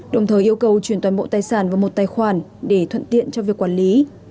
đồng thời yêu cầu chuyển toàn bộ tài sản vào một tài khoản để thuận tiện cho việc quản lý